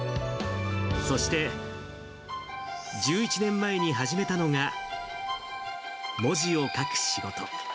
そして、１１年前に始めたのが文字を書く仕事。